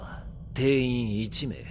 定員１名。